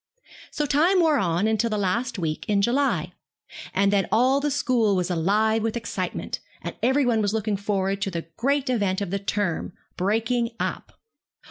So the time wore on until the last week in July, and then all the school was alive with excitement, and every one was looking forward to the great event of the term, 'breaking up.'